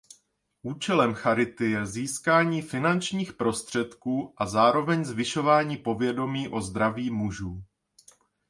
Účelem charity je získání finančních prostředků a zároveň zvyšování povědomí o zdraví mužů.